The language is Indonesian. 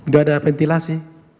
gak ada ventilasi